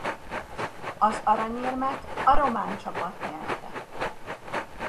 Az aranyérmet a román csapat nyerte.